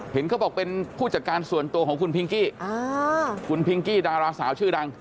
เห็นเขาบอกเป็นผู้จัดการส่วนตัวของคุณพิงกี้คุณพิงกี้ดาราสาวชื่อดัง